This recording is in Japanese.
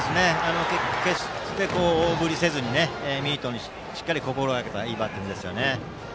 決して大振りせずにミートをしっかり心がけたいいバッティングでしたね。